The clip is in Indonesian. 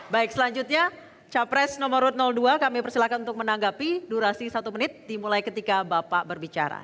baik selanjutnya capres nomor dua kami persilakan untuk menanggapi durasi satu menit dimulai ketika bapak berbicara